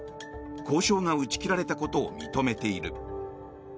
交渉が打ち切られたことを認めている。